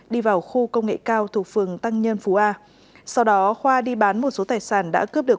đi vào khu công nghệ cao thuộc phường tăng nhân phú a sau đó khoa đi bán một số tài sản đã cướp được